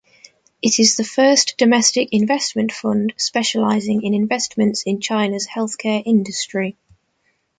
It is the first domestic investment fund specializing in investments in China's healthcare industry.